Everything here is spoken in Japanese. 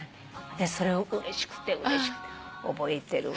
私それうれしくてうれしくて覚えてる。